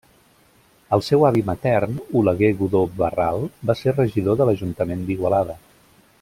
El seu avi matern, Oleguer Godó Barral, va ser regidor de l'Ajuntament d'Igualada.